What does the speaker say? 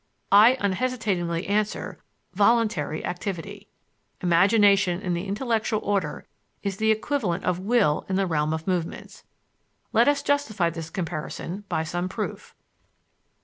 I unhesitatingly answer, voluntary activity: Imagination, in the intellectual order, is the equivalent of will in the realm of movements. Let us justify this comparison by some proof.